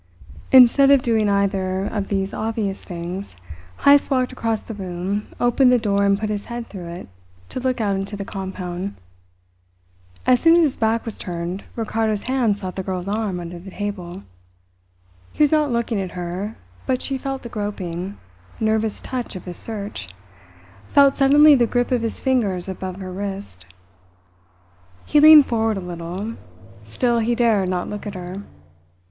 Instead of doing either of these obvious things, Heyst walked across the room, opened the door and put his head through it to look out into the compound. As soon as his back was turned, Ricardo's hand sought the girl's arm under the table. He was not looking at her, but she felt the groping, nervous touch of his search, felt suddenly the grip of his fingers above her wrist. He leaned forward a little; still he dared not look at her.